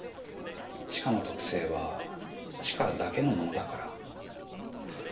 知花の特性は知花だけのものだから。